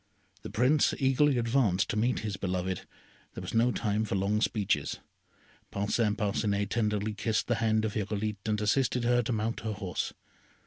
The Prince eagerly advanced to meet his beloved, there was no time for long speeches, Parcin Parcinet tenderly kissed the hand of Irolite and assisted her to mount her horse.